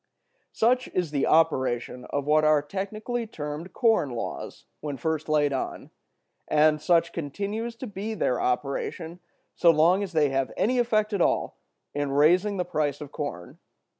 Such is the operation of what are technically termed corn laws, when first laid on; and such continues to be their operation so long as they have any effect at all in raising the price of corn.